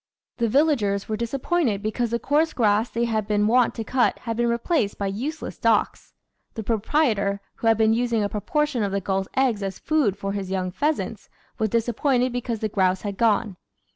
The villagers were disappointed because the coarse grass they had been wont to cut had been replaced by use less docks. The proprietor, who had been using a proportion of the gulls' eggs as food for his young pheasants, was disappointed because the grouse had gone.